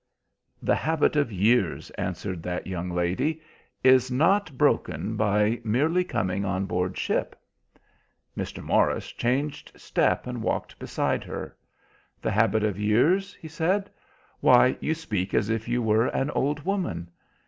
"The habit of years," answered that young lady, "is not broken by merely coming on board ship." Mr. Morris changed step and walked beside her. "The habit of years?" he said. "Why, you speak as if you were an old woman."